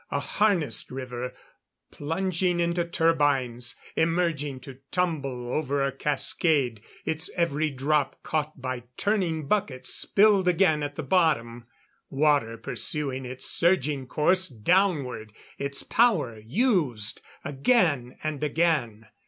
A harnessed river; plunging into turbines; emerging to tumble over a cascade, its every drop caught by turning buckets spilled again at the bottom. Water pursuing its surging course downward, its power used again and again.